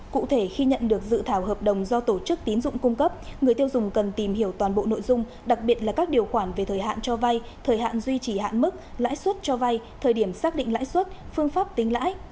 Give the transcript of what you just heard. cụ thể khi nhận được dự thảo hợp đồng do tổ chức tín dụng cung cấp người tiêu dùng cần tìm hiểu toàn bộ nội dung đặc biệt là các điều khoản về thời hạn cho vay thời hạn duy trì hạn mức lãi suất cho vay thời điểm xác định lãi suất phương pháp tính lãi